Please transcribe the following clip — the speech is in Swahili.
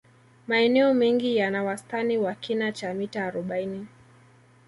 Maeneo mengi yana wastani wa kina cha mita arobaini